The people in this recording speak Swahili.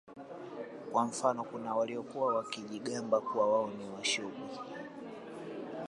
Kwa mfano kuna waliokuwa wakijigamba kuwa wao ni Washubi